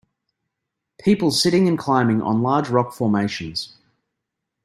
People sitting and climbing on large rock formations.